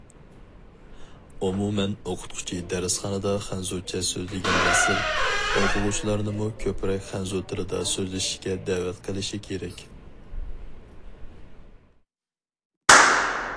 ئومۇمەن، ئوقۇتقۇچى دەرسخانىدا خەنزۇچە سۆزلىگەندىن سىرت، ئوقۇغۇچىلارنىمۇ كۆپرەك خەنزۇ تىلىدا سۆزلىشىشكە دەۋەت قىلىشى كېرەك.